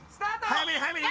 早めに早めに！